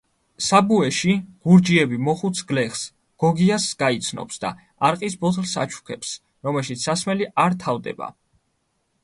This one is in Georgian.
საბუეში გურჯიევი მოხუც გლეხს, გოგიას გაიცნობს და არყის ბოთლს აჩუქებს, რომელშიც სასმელი არ თავდება.